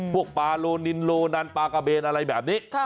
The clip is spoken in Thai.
พวกปลาโลนินโลนันปลากะเบนอะไรแบบนี้